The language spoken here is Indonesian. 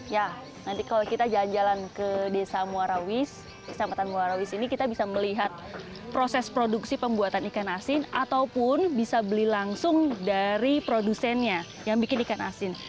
ya nanti kalau kita jalan jalan ke desa muarawis kecamatan muarawis ini kita bisa melihat proses produksi pembuatan ikan asin ataupun bisa beli langsung dari produsennya yang bikin ikan asin